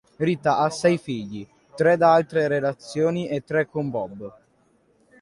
Rita ha sei figli, tre da altre relazioni e tre con Bob.